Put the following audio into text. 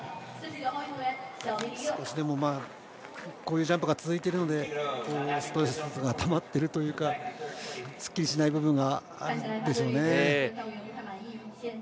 少しでもこういうジャンプが続いているのでストレスがたまっているというかすっきりしない部分があるんでしょうね。